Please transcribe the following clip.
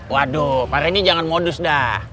waduh pak randy jangan modus dah